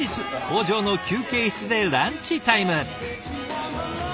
工場の休憩室でランチタイム。